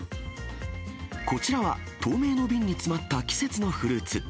こちらは透明の瓶に詰まった季節のフルーツ。